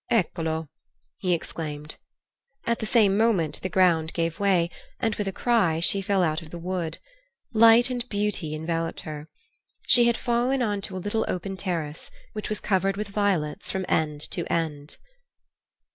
"Eccolo!" he exclaimed. At the same moment the ground gave way, and with a cry she fell out of the wood. Light and beauty enveloped her. She had fallen on to a little open terrace, which was covered with violets from end to end.